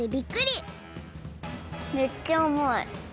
めっちゃあまい。